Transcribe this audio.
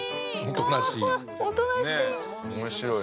おとなしい。